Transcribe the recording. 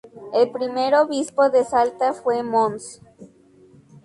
El primer obispo de Salta fue Mons.